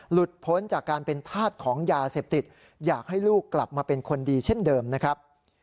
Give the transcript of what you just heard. พ้นจากการเป็นธาตุของยาเสพติดอยากให้ลูกกลับมาเป็นคนดีเช่นเดิมนะครับ